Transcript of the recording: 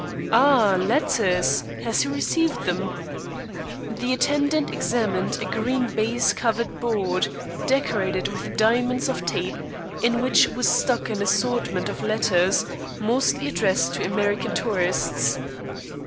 "Ah, letters! Has he received them?" The attendant examined a green baize covered board, decorated with diamonds of tape, in which was stuck an assortment of letters, mostly addressed to American tourists.